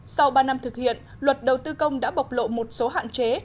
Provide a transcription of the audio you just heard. sau ba năm thực hiện luật đầu tư công đã bộc lộ một số hạn chế